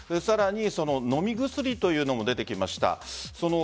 さらに飲み薬というのも出てきました。